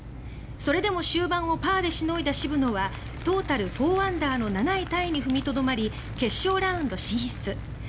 それでも終盤をパーでしのいだ渋野はトータル４アンダーの７位タイに踏みとどまり決勝ラウンド進出。